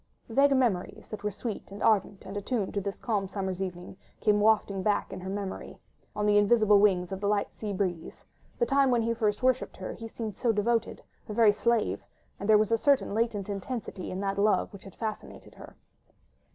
... vague memories, that were sweet and ardent and attuned to this calm summer's evening, came wafted back to her memory, on the invisible wings of the light sea breeze: the time when first he worshipped her; he seemed so devoted—a very slave—and there was a certain latent intensity in that love which had fascinated her.